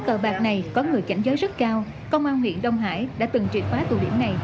ở người cảnh giới rất cao công an huyện đông hải đã từng trị phá tù điểm này